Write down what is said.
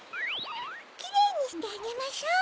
キレイにしてあげましょう。